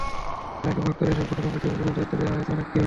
এলাকা ভাগ করে এসব ঘটনা প্রতিরোধের জন্য দায়িত্ব দেওয়া হয়েছে অনেককে।